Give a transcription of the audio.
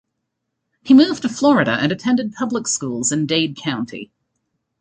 He moved to Florida and attended public schools in Dade County.